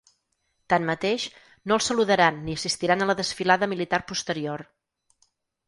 Tanmateix, no el saludaran ni assistiran a la desfilada militar posterior.